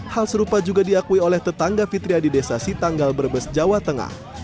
hal serupa juga diakui oleh tetangga fitria di desa sitanggal brebes jawa tengah